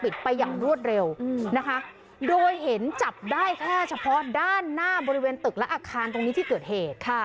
ไปอย่างรวดเร็วนะคะโดยเห็นจับได้แค่เฉพาะด้านหน้าบริเวณตึกและอาคารตรงนี้ที่เกิดเหตุค่ะ